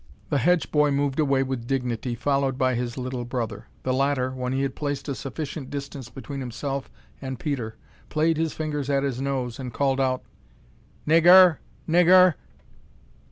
The Hedge boy moved away with dignity, followed by his little brother. The latter, when he had placed a sufficient distance between himself and Peter, played his fingers at his nose and called out: [Illustration: "'NIG GER R R! NIG GER R R!'"